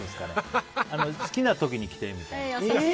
好きな時に来てみたいな。